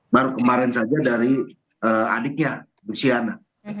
baru kemarin saja dari adiknya luciana